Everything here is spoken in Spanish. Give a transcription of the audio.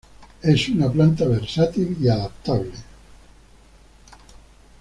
Es una planta versátil y adaptable.